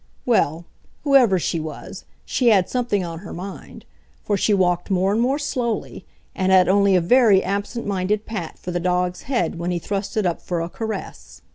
Well, whoever she was, she had something on her mind, for she walked more and more slowly and had only a very absent minded pat for the dog's head when he thrust it up for a caress.